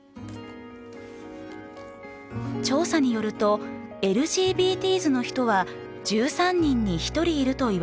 調査によるとＬＧＢＴｓの人は１３人に１人いると言われています。